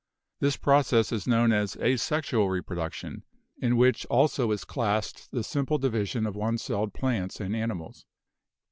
This process is known as asexual reproduc tion, in which also is classed the simple division of one celled plants and animals.